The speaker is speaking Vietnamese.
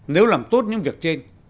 nếu làm tốt những việc trên